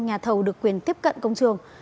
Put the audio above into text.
nhà thầu được quyền tiếp cận công trường